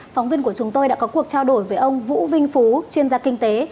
phóng viên của chúng tôi đã có cuộc trao đổi với ông vũ vinh phú chuyên gia kinh tế